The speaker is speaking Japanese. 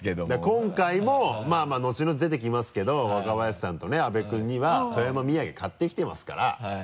今回もまぁまぁのちのち出てきますけど若林さんとね阿部君には富山土産買ってきてますから。